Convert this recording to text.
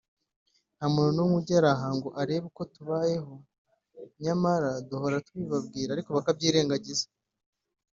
nta muntu n’umwe ugera aha ngo arebe uko tubayeho nyamara duhora tubibabwira ariko bakabyirengagiza